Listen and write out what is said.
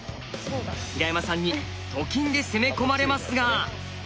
平山さんにと金で攻め込まれますが。